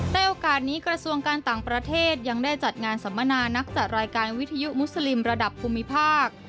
ในโอกาสนี้กระทรวงการต่างประเทศยังได้จัดงานสัมมนานักจัดรายการวิทยุมุสลิมระดับภูมิภาค